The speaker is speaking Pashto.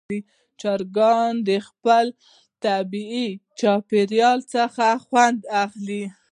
چرګان د خپل طبیعي چاپېریال څخه خوند اخلي.